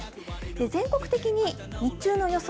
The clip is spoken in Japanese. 全国的に日中の予想